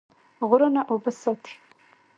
غرونه اوبه ساتي.